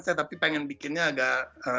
saya tapi pengen bikinnya agak